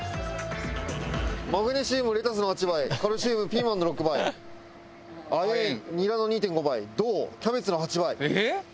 「マグネシウムレタスの８倍カルシウムピーマンの６倍亜鉛ニラの２．５倍銅キャベツの８倍」えっ！